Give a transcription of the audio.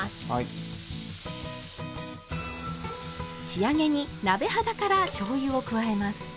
仕上げに鍋肌からしょうゆを加えます。